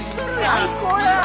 最高や！